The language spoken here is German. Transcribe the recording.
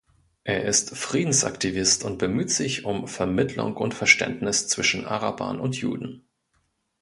Er ist Friedensaktivist und bemüht sich um Vermittlung und Verständnis zwischen Arabern und Juden.